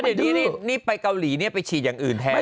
เดี๋ยวนี่ไปเกาหลีนี่ไปฉีดอย่างอื่นแทน